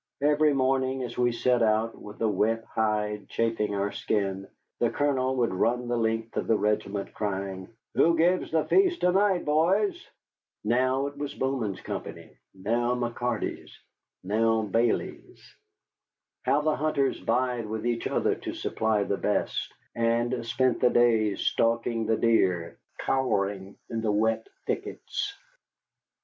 Every morning as we set out with the wet hide chafing our skin, the Colonel would run the length of the regiment, crying: "Who gives the feast to night, boys?" Now it was Bowman's company, now McCarty's, now Bayley's. How the hunters vied with each other to supply the best, and spent the days stalking the deer cowering in the wet thickets.